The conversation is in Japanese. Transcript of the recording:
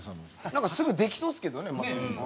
なんかすぐできそうですけどね雅紀さん。